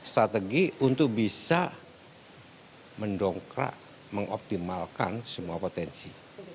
strategi untuk bisa mendongkrak mengoptimalkan semua potensi